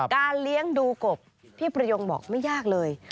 เลี้ยงดูกบพี่ประยงบอกไม่ยากเลย